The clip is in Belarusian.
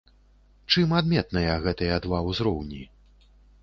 Чым адметныя гэтыя два ўзроўні?